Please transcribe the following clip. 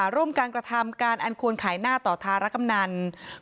เนื่องการกระทำการอันควรขายหน้ารักกำหนัง